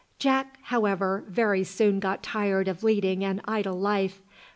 Jack, however, very soon got tired of leading an idle life.